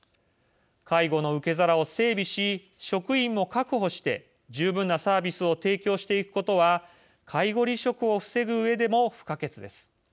介護の受け皿を整備し職員も確保して十分なサービスを提供していくことは介護離職を防ぐうえでも不可欠です。